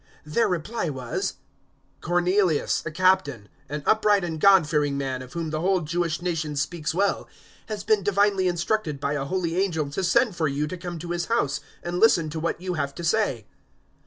010:022 Their reply was, "Cornelius, a Captain, an upright and God fearing man, of whom the whole Jewish nation speaks well, has been divinely instructed by a holy angel to send for you to come to his house and listen to what you have to say."